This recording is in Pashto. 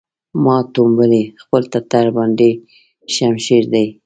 ما ټومبلی خپل ټټر باندې شمشېر دی